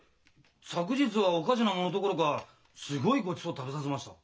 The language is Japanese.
昨日はおかしなものどころかすごいごちそうを食べさせました。